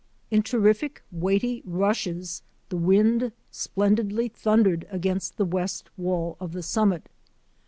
In terrific, weighty rushes the wind splendidly thundered against the west wall of the summit.